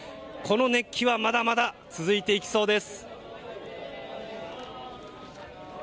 この熱気はまだまだ続いていきそうです。